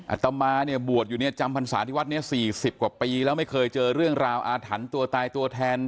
อัต้อมมาบวชจำปรรรษาที่วัด๔๐กว่าปีแล้วไม่เคยเจอเรื่องราวอาถรรท์ตัวตายตัวแทน